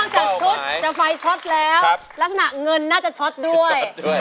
อ๋อนอกจากชุดจะไปชอตแล้วลักษณะเงินน่าจะชอตด้วยนะฮะ